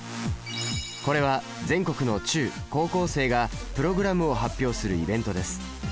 これは全国の中・高校生がプログラムを発表するイベントです。